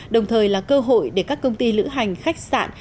đồng thời là cơ hội để các công ty lữ hành khách sạn